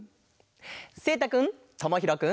せいたくんともひろくん。